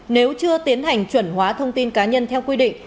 nếu chưa tiến hành chuẩn hóa thông tin cá nhân theo quy định